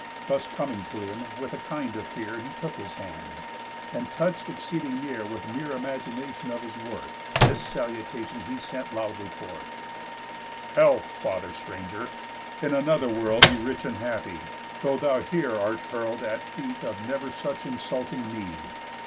Thus coming to him, with a kind of fear He took his hand, and, touch'd exceeding near With mere imagination of his worth, This salutation he sent loudly forth: "Health! Father stranger! In another world Be rich and happy, though thou here art hurl'd At feet of never such insulting Need.